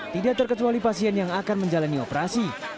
tidak terkecuali pasien yang akan menjalani operasi